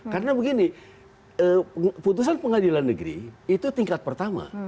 karena begini putusan pengadilan negeri itu tingkat pertama